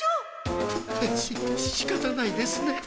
しっしかたないですね。